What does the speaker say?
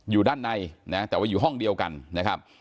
อยู่ด้านในนะแต่ว่าอยู่ห้องเดียวกันนะครับ